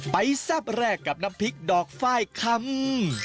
แซ่บแรกกับน้ำพริกดอกไฟล์คำ